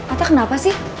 ata kenapa sih